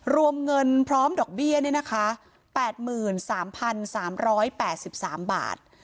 รวมเงินพร้อมดอกเบี้ย๘๓๓๘๓บาท